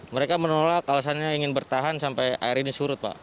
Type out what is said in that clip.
mereka menolak alasannya ingin bertahan sampai air ini surut pak